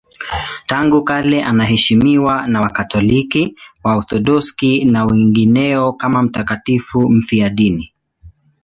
Tangu kale anaheshimiwa na Wakatoliki, Waorthodoksi na wengineo kama mtakatifu mfiadini.